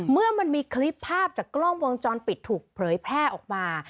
เมื่อมันมีคลิปภาพจากกล้องวงจรปิดถูกเผยแพร่ออกมา